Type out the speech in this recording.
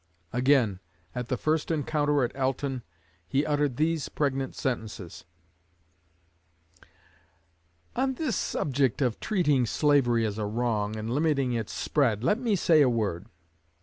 Again, at the first encounter at Alton, he uttered these pregnant sentences: On this subject of treating slavery as a wrong, and limiting its spread, let me say a word.